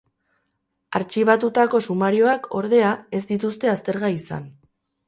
Artxibatutako sumarioak, ordea, ez dituzte aztergai izan.